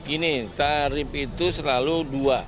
ini tarif itu selalu dua yang dipertimbangkan